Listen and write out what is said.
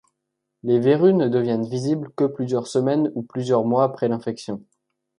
Les verrues ne deviennent visibles que plusieurs semaines ou plusieurs mois après l'infection.